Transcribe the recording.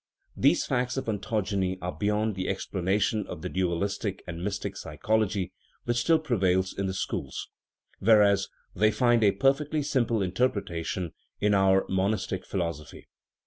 These facts of ontogeny are beyond the explanation of the dualistic and mystic psychology which still prevails in the schools ; whereas they find a perfectly simple in terpretation in our monistic philosophy.